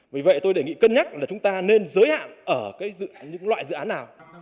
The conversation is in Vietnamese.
vì vậy tôi đề nghị cân nhắc là chúng ta nên giới hạn ở những loại dự án nào